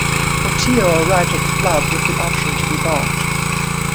Portillo arrived at the club with the option to be bought.